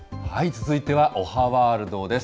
続いてはおはワールドです。